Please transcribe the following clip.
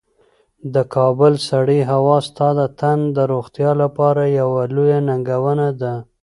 د کابل سړې هوا ستا د تن د روغتیا لپاره یوه لویه ننګونه ده.